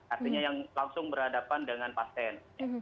artinya yang langsung berhadapan dengan pasien